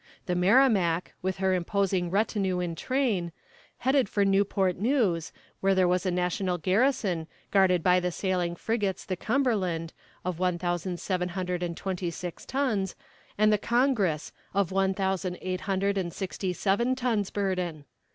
The Merrimac, with her imposing retinue in train, headed for Newport News, where there was a national garrison, guarded by the sailing frigates the Cumberland, of one thousand seven hundred and twenty six tons, and the Congress, of one thousand eight hundred and sixty seven tons burden.